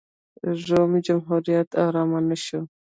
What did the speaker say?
روم جمهوریت ارام نه شو.